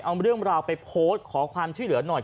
เอาเรื่องราวไปโพสต์ขอความช่วยเหลือหน่อย